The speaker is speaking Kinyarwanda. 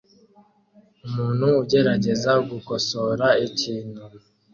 Umuntu ugerageza gukosora ikintu